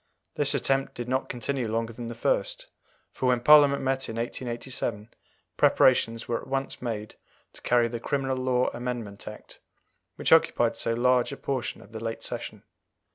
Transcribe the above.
This attempt did not continue longer than the first, for when Parliament met in 1887, preparations were at once made to carry the Criminal Law Amendment Act, which occupied so large a portion of the late Session.